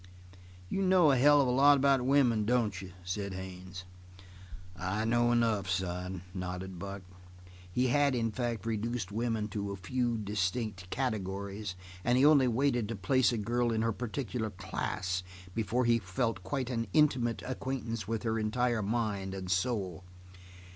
"You know a hell of a lot about women, don't you?" said Haines. "I know enough, son," nodded Buck. He had, in fact, reduced women to a few distinct categories, and he only waited to place a girl in her particular class before he felt quite intimate acquaintance with her entire mind and soul.